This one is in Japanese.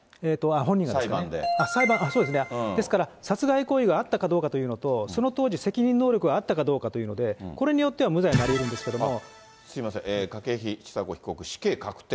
そうですね、殺害行為があったかどうかというのと、その当時、責任能力があったかどうかというので、これによっては無罪もありえるんですけれすみません、筧千佐子被告、死刑確定。